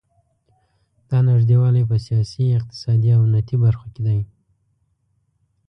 دا نږدې والی په سیاسي، اقتصادي او امنیتي برخو کې دی.